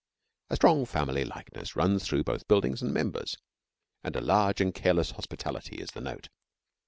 A strong family likeness runs through both buildings and members, and a large and careless hospitality is the note.